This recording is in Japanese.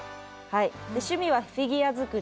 趣味はフィギュア作り。